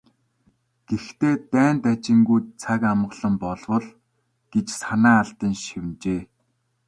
"Гэхдээ дайн дажингүй, цаг амгалан болбол" гэж санаа алдан шивнэжээ.